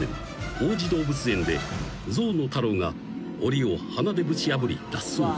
［王子動物園で象の太郎がおりを鼻でぶち破り脱走］